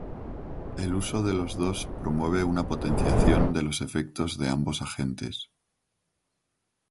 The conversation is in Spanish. El uso de los dos promueve una potenciación de los efectos de ambos agentes.